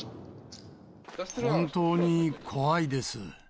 本当に怖いです。